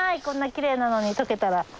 こんなきれいなのに解けたら。